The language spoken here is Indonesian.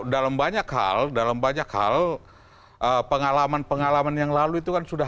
dalam banyak hal dalam banyak hal pengalaman pengalaman yang lalu itu kan sudah